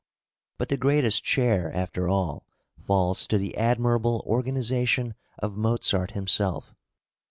But the greatest share, after all, falls to the admirable organisation of Mozart himself.